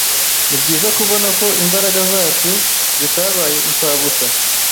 Nibyiza kubona ko imbaraga zacu zitabaye impfabusa.